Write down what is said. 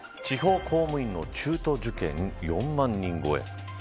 地方公務員の中途受験４万人超え。